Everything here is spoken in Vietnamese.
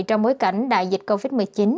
trong bối cảnh đại dịch covid một mươi chín